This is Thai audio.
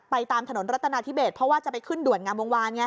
ตามถนนรัฐนาธิเบสเพราะว่าจะไปขึ้นด่วนงามวงวานไง